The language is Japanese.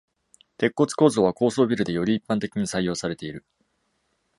鉄骨構造は高層ビルでより一般的に採用されている。